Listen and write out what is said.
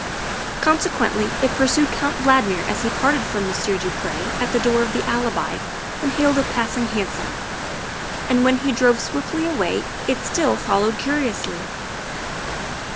Consequently it pursued Count Valdmir as he parted from Monsieur du Pre at the door of the Alibi and hailed a passing hansom; and when he drove swiftly away it still followed curiously.